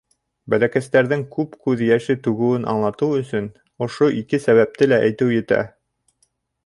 Бәләкәстәрҙең күп күҙ йәше түгеүен аңлатыу өсөн ошо ике сәбәпте лә әйтеү етә.